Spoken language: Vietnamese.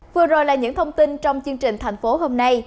vừa rồi là những thông tin trong chương trình thành phố hôm nay